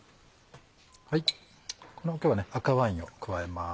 今日は赤ワインを加えます。